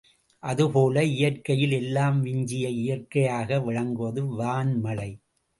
அது போல இயற்கையில் எல்லாம் விஞ்சிய இயற்கையாக விளங்குவது வான்மழை.